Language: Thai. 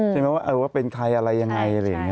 ใช่ไหมว่าเป็นใครอะไรยังไง